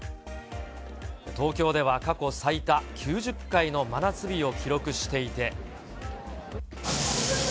東京では過去最多９０回の真夏日を記録していて。